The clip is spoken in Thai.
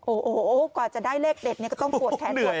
โอ้โหกว่าจะได้เลขเด็ดเนี่ยก็ต้องปวดแขนปวด